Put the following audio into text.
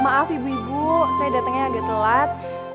maaf ibu ibu saya datangnya agak telat